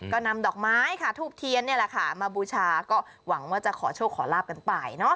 ก็นำดอกไม้ทูบเทียนมาบูชาก็หวังว่าจะขอโชคขอลาบกันไป